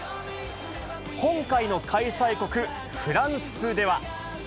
今回の開催国、フランスでは。